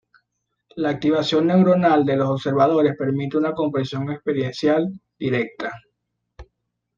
La activación neuronal de los observadores permite una comprensión experiencial directa.